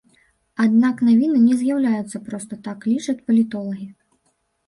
Аднак навіны не з'яўляюцца проста так, лічаць палітолагі.